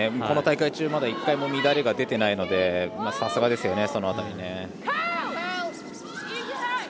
この大会中１回も乱れが出ていないのでさすがですよね。